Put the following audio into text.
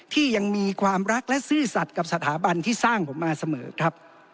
ที่ยังมีความรักและซื่อสัตว์กับสถาบันที่สร้างผมมาเสมอครับ